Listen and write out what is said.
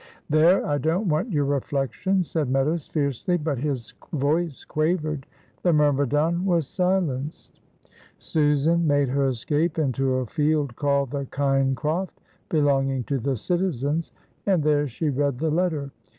"There! I don't want your reflections," said Meadows, fiercely, but his voice quavered. The myrmidon was silenced. Susan made her escape into a field called the Kynecroft, belonging to the citizens, and there she read the letter.